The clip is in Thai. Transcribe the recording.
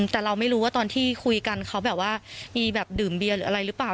แต่เราไม่รู้ว่าตอนที่คุยกันเขาแบบว่ามีแบบดื่มเบียร์หรืออะไรหรือเปล่า